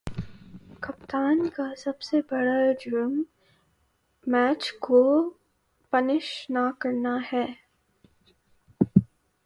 کپتان کا سب سے برا جرم میچ کو فنش نہ کرنا ہے